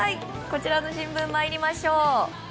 こちらの新聞、参りましょう。